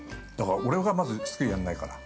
◆俺がまず、スキーやらないから。